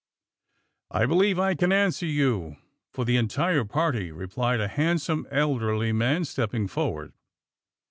*^I believe I can answer you for the entire party,'' replied a handsome, elderly man, step ping forward.